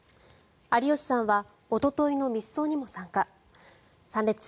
有吉さんはおとといの密葬にも参加、参列。